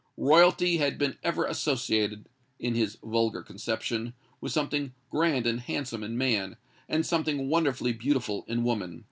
Royalty had been ever associated, in his vulgar conception, with something grand and handsome in man, and something wonderfully beautiful in woman.